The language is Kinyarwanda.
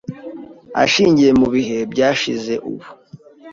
ashingiye mubihe byashize nubu.